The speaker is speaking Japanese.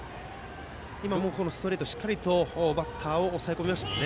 今もストレートでしっかりバッターを抑えました。